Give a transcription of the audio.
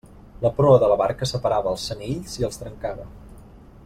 La proa de la barca separava els senills i els trencava.